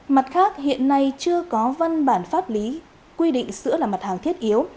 mặt khác hiện nay chưa có văn bản pháp lý quy định sữa là mặt hàng thiết yếu